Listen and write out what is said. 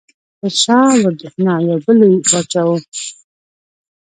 هرشا وردهنا یو بل لوی پاچا و.